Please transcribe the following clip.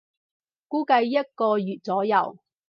估計一個月左右